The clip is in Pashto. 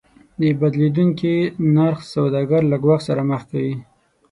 د بدلیدونکي نرخ سوداګر له ګواښ سره مخ کوي.